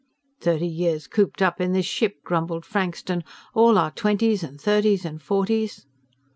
"Thirty years cooped up in this ship," grumbled Frankston. "All our twenties and thirties and forties